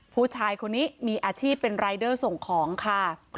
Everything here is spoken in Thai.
ผู้ชายคนนี้มีอาชีพเป็นรายเดอร์ส่งของค่ะ